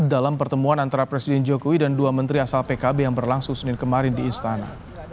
dalam pertemuan antara presiden jokowi dan dua menteri asal pkb yang berlangsung senin kemarin di istana